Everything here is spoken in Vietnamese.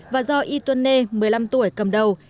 và do y tuấn nê một mươi năm tuổi cầm đầu